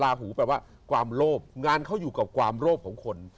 หูแปลว่าความโลภงานเขาอยู่กับความโลภของคน